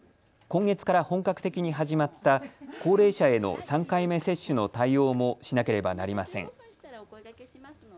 今月から本格的に始まった高齢者への３回目接種の対応もしなければなりません。